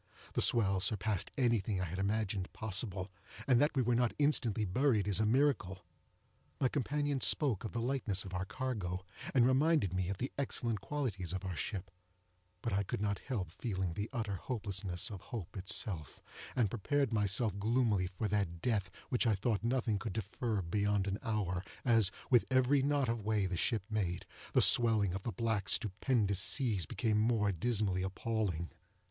The swell surpassed anything I had imagined possible, and that we were not instantly buried is a miracle. My companion spoke of the lightness of our cargo, and reminded me of the excellent qualities of our ship; but I could not help feeling the utter hopelessness of hope itself, and prepared myself gloomily for that death which I thought nothing could defer beyond an hour, as, with every knot of way the ship made, the swelling of the black stupendous seas became more dismally appalling.